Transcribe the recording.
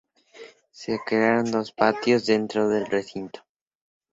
Se crearon dos patios dentro del recinto.